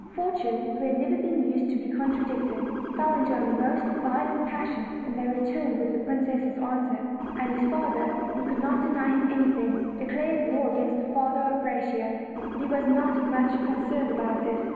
Fortune, who had never been used to be contradicted, fell into a most violent passion when they returned with the princess' answer; and his father, who could not deny him anything, declared war against the father of Gra ciosa. But he was not much concerned about it.